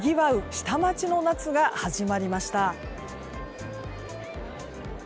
下町の夏が始まりました。